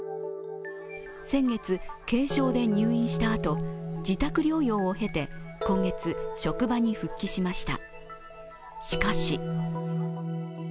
先月、軽症で入院したあと自宅療養を経て今月、職場に復帰しました。